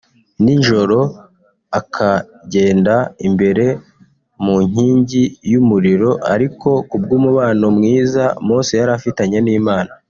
ninjoro akabagenda imbere mu nkingi y'umuriro ariko ku bw'umubano mwiza Mose yarafitanye n'Imana